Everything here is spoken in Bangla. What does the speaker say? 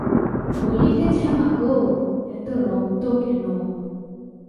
বলিতেছে, মাগো, এত রক্ত কেন!